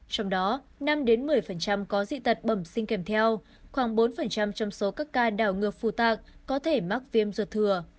có dị tật bầm sinh kèm theo khoảng bốn trong số các ca đảo ngược phủ tạng có thể mắc viêm ruột thừa